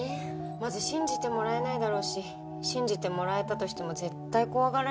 まず信じてもらえないだろうし信じてもらえたとしても絶対怖がられるしね。